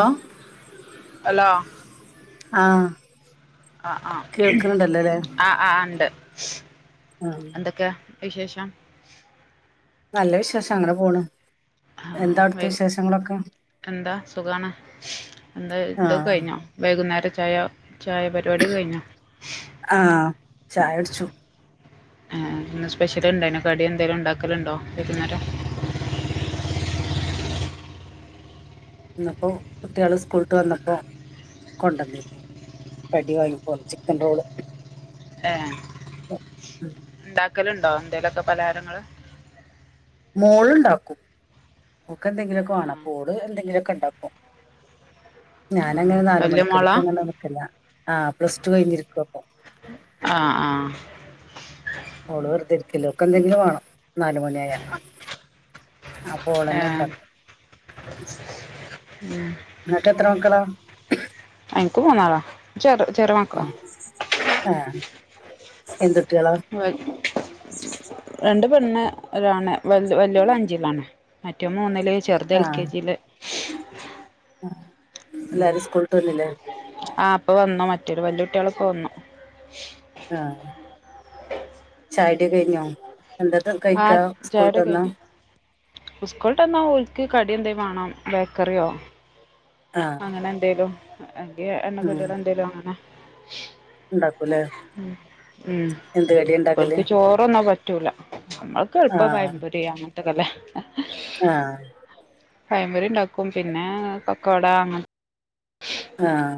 Hello hello ആഹ ആ ആഹ ആ ആ ഉണ്ട് ആഹ് എന്തൊക്കെ വിശേഷം നല്ല വിശേഷം അങ്ങനെ പോണ് ആ എന്താ അടുത്ത വൈകു വിശേഷങ്ങളൊക്കെ എന്താ സുഖമാണ് എന്താ ഇതൊ ആഹ് കഴിഞ്ഞോ വൈകുന്നേര ചായ ചായപരിപാടിയൊക്കെ കഴിഞ്ഞോ ചായടച്ചു സ്പെഷ്യൽ ഉണ്ടായിന കടിയ എന്തേലും ഉണ്ടാക്കലുണ്ടോ വൈക്കുന്നേരം അം എന്നപ്പോ കുട്ടികള് സ്കൂളട്ട് വന്നപ്പോ കൊണ്ടുവന്നിരുന്നു കടി വാങ്ങിപ്പോല ചിക്കൻ റോള് ആഹ ആ ഉ ഉണ്ടാക്കലുണ്ടോ എന്തേലൊക്കെ പലഹാരങ്ങള് മോള്ണ്ടാക്കും ഓക്ക് എന്തെങ്കിലുമൊക്കെ ആ വേണം അപ്പോൾ എന്തെങ്കിലുമൊക്കെ ഇണ്ടാക്കും ഞാൻ ഉം അങ്ങെനെ നാല് വല്യ മണിക്ക് മോളാ എട്ക്കാ പർണാണ്ട് നിക്കെലാ ആ പ്ലസ് ടു കഴിഞ്ഞ് ഇര്ക്കും അപ്പം ആഹ് ആഹ് ഓള് വെറ്തെ ഇര്ക്ക അല്ലെ ഓക്ക് എന്തെങ്കിലും വാണം നാലുമണി ആയാ അപ്പ ഏ ഓളെന്നെ ഇണ്ടാക്കും ഇങ്ങെക്ക് എത്ര മക്കെളാ? എൻക്ക് മൂന്ന് ആളാ ചെറു ചെറു മക്കെളാ ആഹ് എന്തു [unintelligible] രണ്ട് പെണ്ണ് ഒര് ആണ് വെൽ വെല്ലോൾ അഞ്ചിലാണ് മറ്റോം മൂന്നിൽ ചെറ്ത് എൽ കെ ആഹ് ജിൽ എല്ലാരും സ്കൂൾ വുട്ട് വന്നിലെ? ആഹ് ഇപ്പ വന്നു മറ്റൊൽ വല്ല്യ കുട്ടിയാൾ ഇപ്പ വന്നു ആഹ് ചായകുടി കഴിഞ്ഞോ എന്തത് കഴിക്കാ സ്കൂളക്ക്ന്നു സ്കൂൾവിട്ട് വന്നാ ഓൾക്ക് കടി എന്തേ വേണം ബേക്കറിയോ ആഹ് അങ്ങനെ എന്തേലും എങ്ക ഉം എണ്ണക്കട്ടികള് എന്തേലും അങ്ങനെ ഉണ്ടാക്കൂലേ എന്ത് കടിയാ ഉണ്ടാക്കല് ഓളക്ക് ചോറന്നാ പറ്റ പറ്റൂല നമ്മൾക്ക് ഇപ്പ ആഹ് വയ്മ്പതിയ്യാ അങ്ങത്തതല്ലേ [unintelligible] ആഹ് പയപൂരി ഉണ്ടാക്കും പിന്നെ പാക്കൊട അങ്ങനെ ആഹ്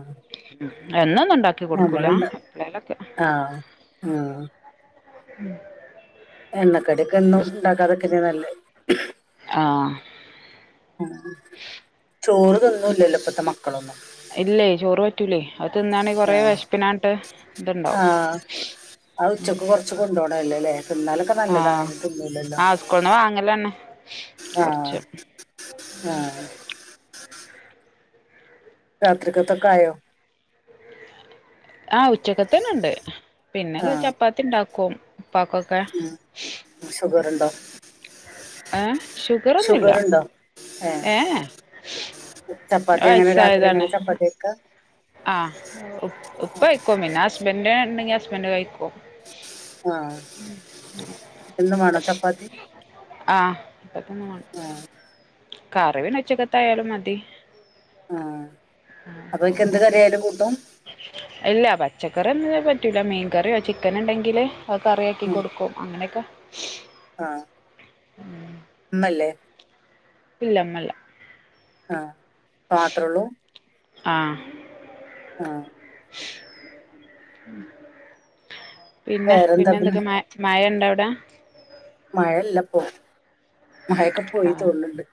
എന്നൊന്നും ഉണ്ടാക്കി കൊടുക്കൂല ഞമ്മളുണ്ട് എപ്പോഴേലൊക്കെ ആഹ് ഉം ഉം [inaudible] എണ്ണക്കടിയൊക്കെ എന്നും ഉണ്ടാക്കാതൊക്കെന്നെയ നല്ലേ ആഹ് [unintelligible] ചോറ്തിന്നുല്ലലോഇപ്പത്തെ മക്കളൊന്നും ഇല്ലേ ചോറ് പറ്റൂലേ അവതി ന്നാണെങ്കി കൊറെ ആഹ് വിശപ്പിനാായിട്ട് ഇത്ണ്ടാവും ആ ഉച്ചക്ക് കൊറച്ച് കൊണ്ടുപോണല്ലോല്ലേ തിന്നാലൊക്കെ ആ നല്ലതാണ് അന് തിന്നൂലല്ലോ ആ സ്കൂൾന്ന് വാങ്ങലന്നെ ആഹ് കുറച്ച് ആഹ് രാത്രിക്കത്തൊക്കായോ ആഹ് ഉച്ചക്കത്തേന്ന് ഉണ്ട് പിന്നെ ആഹ് ചപ്പാത്തി ഉണ്ടാക്കും. ഉപ്പാക്കൊക്കെ ഉം ഷുഗറൊണ്ടോ? ങേ ഷുഗറൊന്നുല്ല ഏഹ് ചപ്പാത്തി അങ്ങനെ രാത്രി അങ്ങനെ വയസ്സായതാണ് വയസ്സായതാണ്. ചപ്പാത്തി വെക്കാ ആഹ് ഇപ്പം ഇപ്പം പിന്നെ ഹസ്ബൻഡ് ഉണ്ടെങ്കി ഹസ്ബൻഡ് കഴിക്കും ആഹ് എന്നും വേണാ ചപ്പാത്തി? ആഹ് ഇപ്പത്തന്ന ആ [inaudible] കറിപിന്ന ഉച്ചകത്ത ആയാലും മതി ആ അപ്പൊ എനിക്ക് എന്ത് കറിയായാലും കൂട്ടും ഇല്ല പറ്റ പച്ചക്കറിയൊന്നും പറ്റൂലാ മീൻ കറിയോ ചിക്കന്ണ്ടെങ്കില് അത് കറിയാക്കി കൊടുക്കും അങ്ങനൊക്കെ ആഹ് ഉം മ്മല്ലേ? ഇല്ല മ്മല്ല ആഹ് മാത്രൊള്ളൂ? ആഹ് ആഹ് പിന്നെഹ് വേറെന്താ പിന്നെ എന്തൊക്കെ മഴ മഴ എവടേ മഴല്ലപോ മഴൊക്കെ പോയി തോന്നുണ്ട്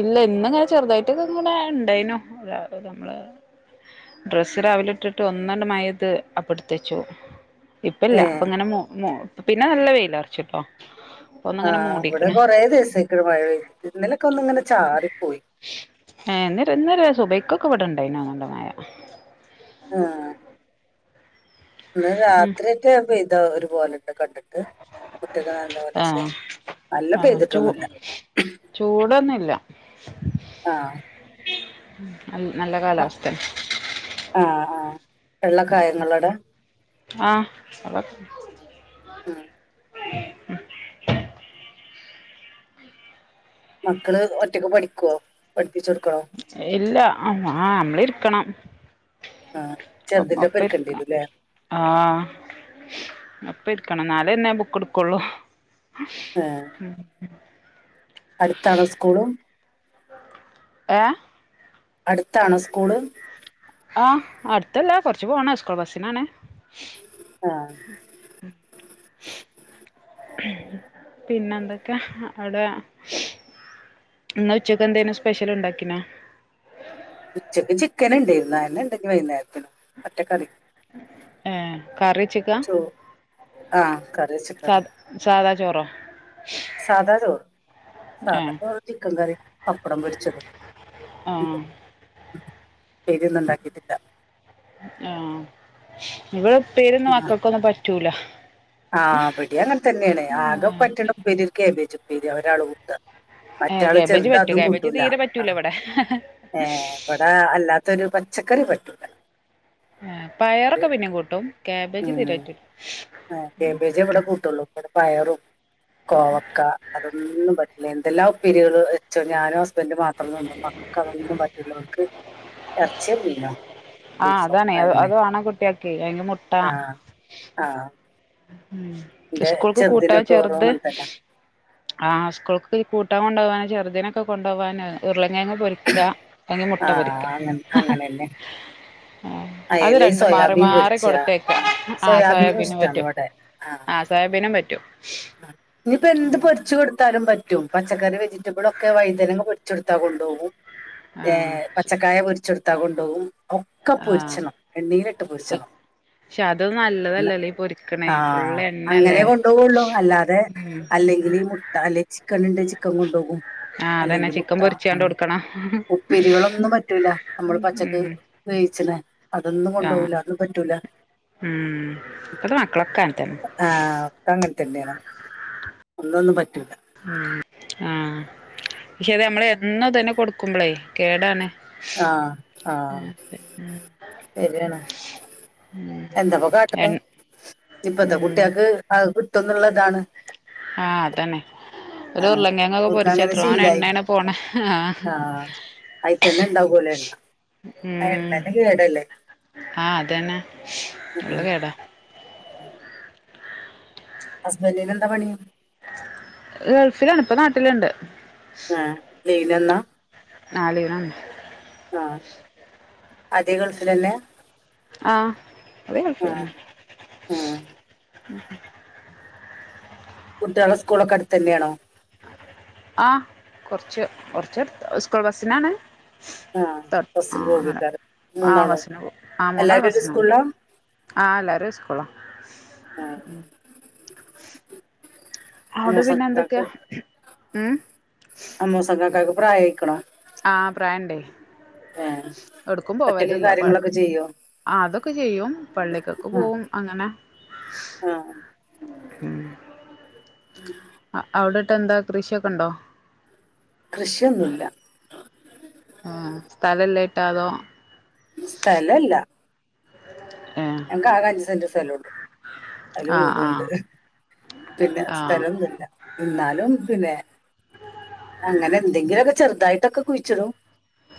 ഇല്ല ഇന്ന്ങ്ങനെ ചെറുതായിട്ടൊക്കെ ഇങ്ങനെ ഇണ്ടായിനു ഡ്രെസ്സ് രാവിലെ ഇട്ടിട്ട് ഒന്നണ്ട് മയത് അപ്പടുത്ത വച്ചു ഇപ്പ ഇല്ല ഏ അപ്പൊ ഇങ്ങനെമു മു പിന്നെ നല്ല വെയിൽ അറച്ചുട്ടോ ആഹ് അവിടെ കൊറെേ ദിവസക്ക് ണ് ഇന്നലൊക്കെ ഒന്ന് ഇങ്ങനെ ചാറി പോയി ഇവിടെണ്ടായിനോ അങ്ങനത മഴ ആഹ ഇന്ന് ഉം രാത്രിയെറ്റ പൈത ഒരു പോലെ ഉണ്ട് കണ്ടിട്ട് കുട്ടികക്ക്നല്ല പോലെഷേ ആഹ ചൂ ചൂടോന്നുല്ല ആഹ് നല്ല കാലാവസ്ഥണ് ആ വെള്ളക്കായങ്ങളുടെ ആഹ് ഉം [inaudible] മക്കളെ ഒറ്റക്ക് പഠിക്കുവാ പഠിപ്പിച്ച് ഇല്ല ആ നമ്മൽ ഇരിക്കണം. ആ ചെറുതിന്റെ ഒപ്പം എടുക്കേണ്ടി ഒപ്പൊരിക്ക വരും അല്ലേ ആഹ് ഇ ഇരിക്കണം നാലെ എന്നെ ബുക്ക് എടുക്കള്ളു. അടുത്തണോ സ്കൂളും? ഏ അടുത്താണോ സ്കൂള്? ആഹ് അടുത്തല്ലാ കൊറച്ച് പോണം സ്കൂൾ ബസിനാണ് [unintelligible] ഈ പിന്നെ എന്തൊക്കെ അവിടെ. എന്നാ ഉച്ചക്ക് എന്തേനും സ്പെഷ്യൽ ഉണ്ടാക്കിനാ ഉച്ചക്ക് ചിക്കൻ ഉണ്ടായിരുന്നു. ഉണ്ടെങ്കി വൈകുന്നേരത്തിനോ ഒറ്റ കറി ഏ കറി ചിക്കൻ ആ കറി സാദാ ചോറോ? സാധ ചോറ് ഏ ചോറ്ചിക്കൻ കറി അപ്പടം പൊരിച്ചത് ആ ഉപ്പേരിയൊന്നും ഉണ്ടാക്കിട്ടില്ല ആഹ ഇവിടെ ഉപ്പേരിഒന്നും മാക്കക്ക് ക്കൊന്നും പറ്റൂല. ആഹ് ഇവിടേം അങ്ങനെ തന്നെയാണ് ആകെ പറ്റണപ്പേരി ഒരു ക്കബേജ് ഉപ്പേരി ഒരാൽ കുട്ടാ. ഏ മറ്റാള് കാബേജ് ചെറുത പറ്റും അതും കാബേജ് കൂട്ടൂല തീരെ പറ്റൂല ഇവിടെ ഏ ഇവിടെ അല്ലാത്തരു പച്ച കറി പറ്റൂല. ആ ഇത് പയറൊക്കെ പിന്നും കൂട്ടും. കാബേജ് തിരെ പറ്റൂല. ആ കേബേജ് ഇവിടെ കൂട്ടുള്ളൂ. ഇവി ടെ പയറും, കോവക്ക, അതൊന്നും പറ്റില്ല. എല്ലാ ഉപ്പരികളോ വെച്ചോ ഞാനും ഹസ് പ്പന്റെ മാത്രം തിന്നും മക്കൾക്ക് അതോന്നും പറ്റൂല. ഓൽക് എർച്ചിയോ മീനോ. ആഹ് ബീഫോ അതാണ്. അതന്നെ ആ ആ എന്റെ ഉസ്കൂൾക്ക് കൂട്ടാൻ ചെറുതിനൊക്കെ ഓരോ ചെറുത്. അങ്ങനെ തന്നെ ആ സ്കൂൾക്ക് കൂട്ടാൻ കൊണ്ടകാൻ. ചെർതിന് നൊക്കെ കൊണ്ടോവാൻ ഉരുളകിഴ കേങ് പൊരിക്ക അല്ലെങ്കിൽ മുട്ട ആ പൊരിക്ക അങ്ങനെ അങ്ങനെ തന്നെ ആ അത് അയല രണ്ടും മാറി സോയാബീൻ മാറി പൊരിച്ച കൊടുത്തേക്ക. ആ ആഹ സോയാബീനും ഇഷ്ടമാണ് പറ്റും. ഇവിടെ ആ സാേബിനും പറ്റും. ഇനിയിപ്പോ എന്ത് പൊരിച്ച് കൊടുത്താലും പറ്റു പച്ചക്കറി വെജിറ്റബിൾ ഒകൊ വഴുതനങ്ങ പൊരിച്ചെടുത്താ കൊണ്ടോകും. ഏ ആഹ് പച്ചക്കായ പൊരിച്ചെടുത്താൽ കൊണ്ടോകും. ഒക്കെ പൊരിച്ചണം. എണ്ണീലിട്ട് പൊരിച്ചണം. ക്ഷെ അതന്നും നല്ലതല്ലല്ലേ പൊരിക്കണേ ആ ഫുള് അങ്ങനെ എണ്ണല്ലേ. കൊണ്ടുപോകുള്ളൂ അല്ലാതെ ഉം അല്ലെങ്കിൽ ഈ മുട്ട അല്ലെ ചിക്കനിണ്ടങ്കിൽ ചിക്കൻ കൊണ്ടുപോകും. ആഹ് അതന്നെ അല്ലെങ്കിൽ മുട്ട. ചിക്കൻ ആ പൊരിച്ചാണ്ട് കൊടുക്കണം ഉപ്പിരികളൊന്നും പറ്റൂല. നമ്മൾ പച്ചക്ക് ഉം വോ ആഹ് [unintelligible] ഉം ഇപ്പത്തെ മക്കളൊക്കാഅങ്ങനെ തന്നെ. ആ ഒക്കെ അങ്ങനെ ഒന്നൊന്നും പറ്റൂ- ആഹ പക്ഷെ നമ്മള് എന്ന തന്നെ കൊടുക്കുമ്പോളേ കേടാണ് ആഹ ആഹ ശരിയാണ്. എന്താപ്പൊ എ കാട്ടെ ഇപ്പത്തെ കുട്ടികക്ക് ആഹ് ആഹതന്നെ ഒരു ആ ഉരുളങ്കേങ്ങൊക്കെ അവർക്ക് അങ്ങനെ പൊരിച്ചേത്ര ശീലായി എണ്ണേനെ പോണ ആ അയിത്തന്നെ ഉണ്ടാവലെ എണ്ണ ആ ഉം എണ്ണന്റെ കേടല്ലേ ആഹ് അതന്നെ ഉള്ള കേടാ ഹസ്ബൻഡന് എന്താ പണി? ഗൾഫിലണപ്പ നാട്ടിലുണ്ട് ആഹ ലീന എന്നാ നാല്രം ആതിയേ ഗൾഫിലന്നെ ആ ആ [unintelligible] കുട്ടികളെ സ്കൂളൊക്കെ അടുത്ത് തന്നെയാണോ ആ കൊറച്ച് കുറച്ച് സ്കൂൾ ബസിനാണ് ആ ത ആ ബസ്സിന് അങ്ങനെ പോകാറ് ആ മൂന്നാളും വസിന് പോ വും ആ മൂന്നാൾ എല്ലാവരും ഒരു വാസിനു പോകും സ്കൂളിലാ ആ അല്ലാര സ്കൂളാ ആ അമ്മോ അവിടെ പിന്നെ സക്ക് എന്തൊക്കെയാ ഉം അമ്മോ സംഗക്കക്ക് പ്രായ ഇക്കണോ ആഹപ്രായണ്ടേ എടുക്കും പോവല ഒറ്റക്ക് ഇല്ല കാര്യങ്ങളൊക്കെ ചെയ്യോ അതൊക്കെ ചെയ്യും പള്ളിക്കൊക്കെ ആ പോവും അങ്ങനെ ആ അവിടെട്ട് എന്താ കൃഷിയൊക്കെ ഉണ്ടോ കൃഷിയൊന്നുമില്ല ആ സ്ഥലംല്ലായിട്ടാ അതോ സ്ഥലല്ല ഏ ആക അഞ്ച് സെന്റ് സ്ഥലോള്ളൂ അയോ ആ ആ വിടണ്ട് പിന്നെ ആ സ്ഥലംഒന്നുമല്ല എന്നാലും പിന്നെ അങ്ങനെ എന്തെങ്കിലുംഓ ക്കെ ചെറുതായിട്ടൊക്കെ കുഴിച്ചിടും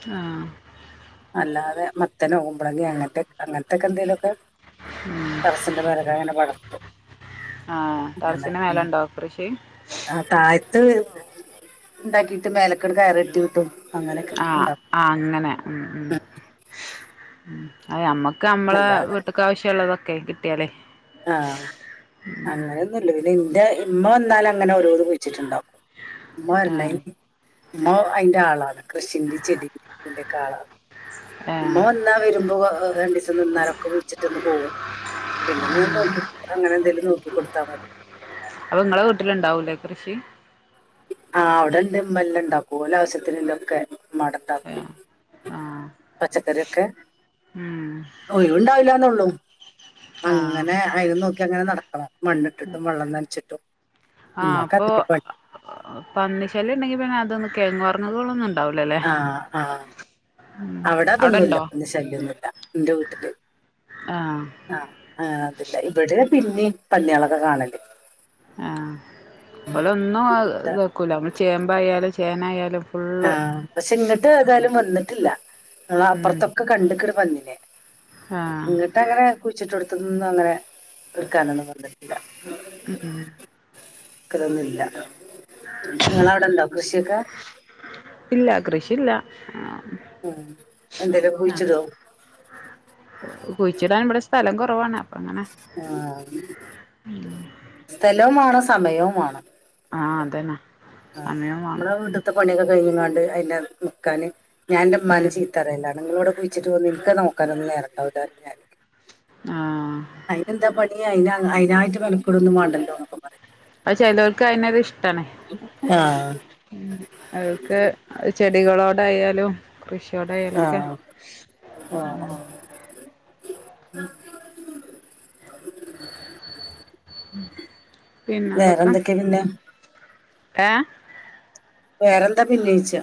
ആ അല്ലാതെ മത്തനോ കകുമ്പളങ്കി അങ്ങനത്തെ അങ്ങനത്തെക്കെ എന്തേലുമൊക്കെ ട റസിന്റെ മേലെ അങ്ങനെ വളർത്തും ആ ങ്ങനെ ടെറസിന് മേലണ്ടോ കൃഷി ആ താഴത്ത് ഉണ്ടാക്കി ഇട്ട മേലക് കയർടി വിട്ടും അങ്ങനെയൊക്കെ ആ ആ അങ്ങനെ ഉ ഉ ഉണ്ടാക്കും ഉ അതമ്മക്ക് നമ്മളെ വീട്ടക്ക ആവശ്യമുള്ളള്ളതൊക്കെ കിട്ടിയാലേ ആ അങ്ങനെന്നുംല്ല പിന്നെ ഇന്റെ ഇമ്മ വന്നാല അങ്ങനെ ഓരോന്ന് കുഴിച്ചിട്ടുണ്ടാക്കു ആ ഉമ്മ ആളാണ് കൃഷ്ന്റെ ചെടിയുടെ ആളാണ് ഏ മോൻ ഇന്നാ വരുമ്പോ ര ണ്ടീസം നിന്നാലൊക്കെ കുടിച്ചിട്ടൊന്ന് പോകും പിന്നെ നോക്കി അങ്ങനെ എന്തേലും നോക്കികൊ ടുത്താ മതി അപ്പൊ ഇങ്ങളെ വീട്ടിലുണ്ടാവൂലേ കൃഷി ആ അവിടെണ്ട് മല്ലാം ഉണ്ടാക്കും ഓല ആവശ്യത്തിന ഉള്ളഒക്കെ മ അവിടെ ഏ ഉണ്ടാകും ആ പച്ചക്കറിഒക്കെ ഉം ഒഴുണ്ടാവില്ലന്നൊ ഉള്ളൂ ആ അങ്ങനെ അയിനു നോക്കി അങ്ങനെ നടക്കണം മണ്ണിട്ടിട്ടും വെള്ളം നനച്ചിട്ടും ആ ഉമ്മക്ക് അപ്പൊ അതിന്റെ പണി പന്നിശല്ല്യഉണ്ടെങ്കി പിന്നെ അതൊന്ന് കെഴങ്ങ് പററങ്ങ കൊള്ളൊന്നും ഉ ണ്ട് ആഹ് ആഹ് അവിടെ അവിടെണ്ടോ അതൊന്നുല്ല ശല്ല്യൊന്നുല്ല ന്റെ വീട്ടില് ആഹ് ആഹ് അത് ല്ല ഇവിടെ പിന്നിം പന്ന്യാളൊക്കെ കാണൽണ്ട് ആഹ് ഓലൊന്നും അഹ് ഇതാ. ഇതെക്കൂല നമ്മള് ചേമ്പായാലും ചേനായാലും ഫുള്ള് ആഹ് പക്ഷേ ഇങ്ങട്ട് ഏതായാലും വന്നിട്ടില്ല [unintelligible] ഉം അപ്പുറത്തൊക്കെ കണ്ട്ക്ക്ണ് പന്നിനെ ആഹ് ഇങ്ങട്ട് അങ്ങനെ കുയ്ച്ചിട്ടോട് തൊന്നു അങ്ങനെ ഇട്ക്കാനൊന്നും [unintelligible] ഉം ഉം ക്കലൊന്നുല്ല നിങ്ങളവിടെണ്ടോ കൃഷിയൊക്കെ ഇല്ല കൃഷില്ല ആഹ് ഉം. എന്തേലും ആഹ് കുഴിച്ചിടോ കുഴിച്ചിടാൻ ഇവിടെ സ് സ്ഥലം കുറവാണ് അങ്ങനെ ആ സ്ഥലവും വാണം സമയും വാണം ആ അതന്നാ ആ നമ്മള വീട്ട് ത്തെ പണിയൊക്കെ കഴിഞ്ങ്ങാണ്ട് അയിന്റെ നിക്കാന് ഞാൻന്റെമ്മാനെ ഉം ചീത്താറയലാണ് നിങ്ങളോടക്കെ വിച്ചിട്ട് വന്നിക്ക എൻക്ക് നോക്കാനൊന്നും നേരണ്ടാവില്ലറയും ഞാന് ആ അയിനെന്താ പണി അയിന അയിനായിട്ട് അത് ചെയ്തവർക്ക് അയിനത് ഇഷ്ടാണേ ആഹ് ചെടികളോടായാലും കൃഷിയോടായാലൊക്കെ ആഹ് ആഹ് ആഹ് പിന്നെ എന്തൊക്കെ വേറെന്തൊക്കെയാ പിന്നെ ഏഹ് വേറെന്താ പിന്നെ ചോയിച്ച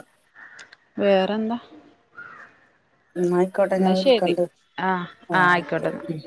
വേറെന്താ എന്നാ ആയിക്കോട്ടെ എന്നാ ഞാൻ ശരി വിളിക്കണ്ട് ആഹ് ആഹ് ആഹ് ഓക്കെ ആയിക്കോട്ടെന്നാ